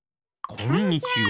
こんにちは！